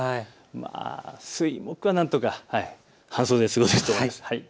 水、木はなんとか半袖で過ごせると思います。